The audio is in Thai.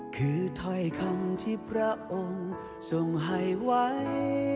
คือถ้อยคำที่พระองค์ทรงให้ไว้